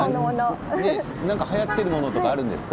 何かはやっているものとかあるんですか？